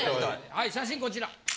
はい写真こちら。